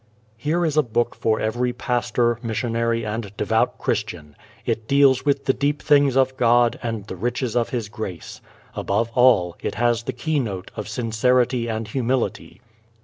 _ Here is a book for every pastor, missionary, and devout Christian. It deals with the deep things of God and the riches of His grace. Above all, it has the keynote of sincerity and humility.